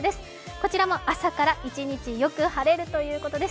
こちらも朝から一日よく晴れるということです